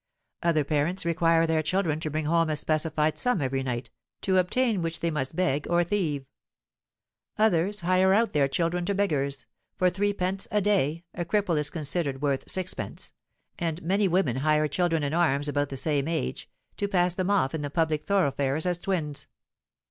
Other parents require their children to bring home a specified sum every night, to obtain which they must beg or thieve. Others hire out their children to beggars, for 3_d._ a day (a cripple is considered worth 6_d._); and many women hire children in arms about the same age, to pass them off in the public thoroughfares as twins.